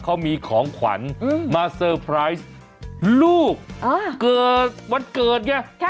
เขามีของขวัญมาเซอร์ไพรส์ลูกเกิดวันเกิดไง